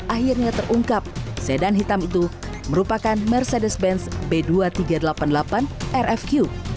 akhirnya terungkap sedan hitam itu merupakan mercedes benz b dua ribu tiga ratus delapan puluh delapan rfq